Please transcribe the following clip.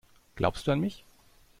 Glaubst du an mich?